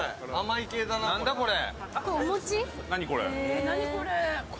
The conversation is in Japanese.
何だこれ。